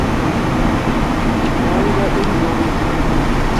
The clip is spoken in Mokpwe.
Wɔ̂ŋɡɔ́ í mòwê.